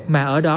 mà ở đó